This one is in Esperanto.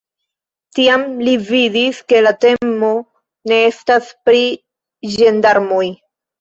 Tiam li vidis, ke la temo ne estas pri ĝendarmoj.